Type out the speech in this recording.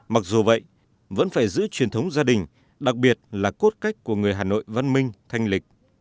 mặc dù vậy vẫn phải giữ truyền thống gia đình đặc biệt là cốt cách của người hà nội văn minh thanh lịch